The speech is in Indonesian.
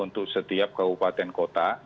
untuk setiap kabupaten kota